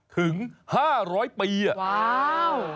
ถึง๕๐๐ปีว้าว